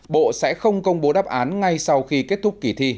bộ sẽ không công bố đáp án ngay sau khi kết thúc kỳ thi